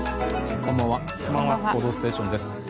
こんばんは「報道ステーション」です。